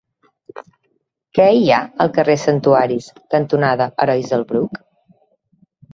Què hi ha al carrer Santuaris cantonada Herois del Bruc?